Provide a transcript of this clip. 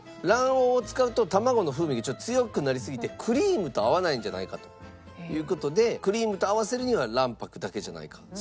卵黄を使うと卵の風味がちょっと強くなりすぎてクリームと合わないんじゃないかという事でクリームと合わせるには卵白だけじゃないか。